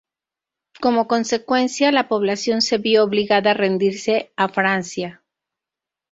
Como consecuencia, la población se vio obligada a rendirse a Francia.